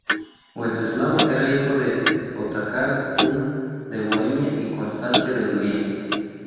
Wenceslao era hijo del Otakar I de Bohemia y Constancia de Hungría.